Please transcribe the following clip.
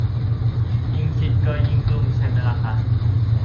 ยิ่งคิดก็ยิ่งกลุ้มใช่ไหมล่ะคะ